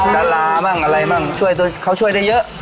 ดาราบ้างอะไรบ้างเขาช่วยได้เยอะ